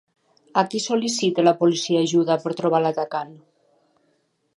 A qui sol·licita la policia ajuda per trobar l'atacant?